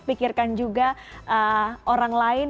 pikirkan juga orang lain